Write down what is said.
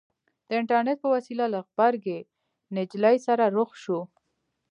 د اينټرنېټ په وسيله له غبرګې نجلۍ سره رخ شو.